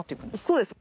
そうです。